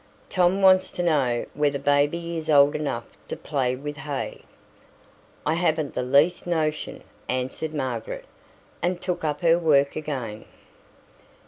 "Tom wants to know whether baby is old enough to play with hay?" "I haven't the least notion," answered Margaret, and took up her work again.